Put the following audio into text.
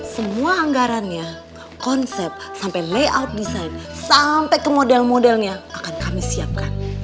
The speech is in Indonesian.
semua anggarannya konsep sampai layout desain sampai ke model modelnya akan kami siapkan